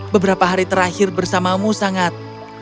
beberapa hari terakhir bersamamu sangat